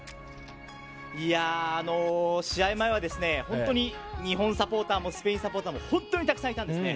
試合前は本当に日本サポーターもスペインサポーターも本当にたくさんいたんですね。